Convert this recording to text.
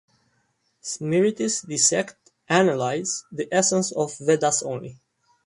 Smritis dissect (analyze) the essence of vedas only.